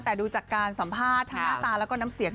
แต่ดูจากการสัมภาษณ์ทั้งหน้าตาแล้วก็น้ำเสียง